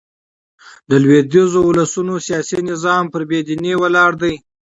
د لوېدیځو اولسونو سیاسي نظام پر بې دينۍ ولاړ دئ.